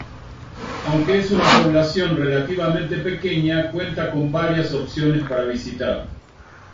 Aunque es una población relativamente pequeña, cuenta con varias opciones para visitar.